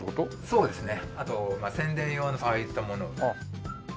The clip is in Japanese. そうですね。